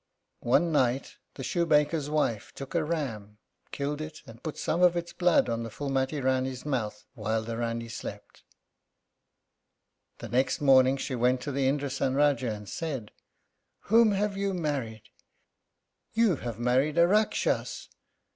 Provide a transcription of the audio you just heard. One night the shoemaker's wife took a ram, killed it, and put some of its blood on the Phúlmati Rání's mouth while the Rání slept. The next morning she went to the Indrásan Rájá and said, "Whom have you married? You have married a Rakshas.